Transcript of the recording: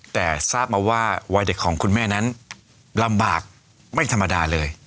แต่ทราบมาว่าวัยเด็กของคุณแม่นั้นลำบากไม่ธรรมดาเลย